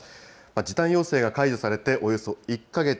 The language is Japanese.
時短要請が解除されておよそ１か月。